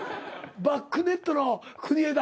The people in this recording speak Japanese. バックネットの国枝。